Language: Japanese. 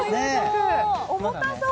重たそう。